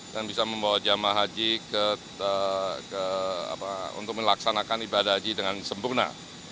dan bisa membawa jemaah haji untuk melaksanakan ibadah haji dengan sempurna